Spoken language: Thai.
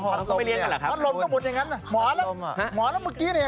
หมอแล้วมันกินเนี่ย